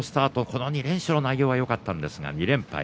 この２連勝の内容はよかったんですが２連敗。